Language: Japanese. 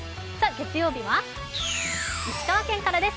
月曜日は石川県からです。